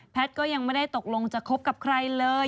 ก็ยังไม่ได้ตกลงจะคบกับใครเลย